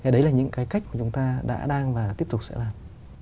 đấy là những cái cách mà chúng ta đã đang và tiếp tục sẽ làm